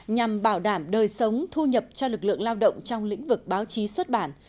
nhằm bảo đảm đời sống thu nhập cho lực lượng lao động trong lĩnh vực báo chí xuất bản